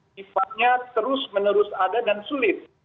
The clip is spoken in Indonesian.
sifatnya terus menerus ada dan sulit